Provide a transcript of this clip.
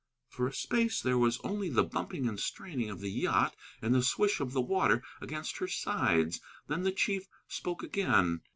For a space there was only the bumping and straining of the yacht and the swish of the water against her sides. Then the chief spoke again.